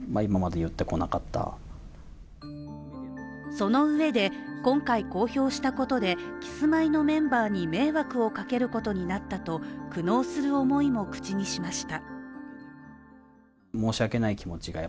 そのうえで、今回公表したことでキスマイのメンバーに迷惑をかけることになったと苦悩する思いも口にしました。